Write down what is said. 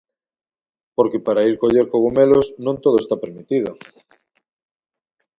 Porque para ir coller cogomelos non todo está permitido.